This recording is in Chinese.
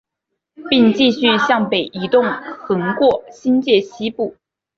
并继续向北移动横过新界西部。